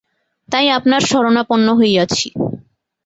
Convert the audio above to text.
তাই আপনার শরণাপন্ন হইয়াছি।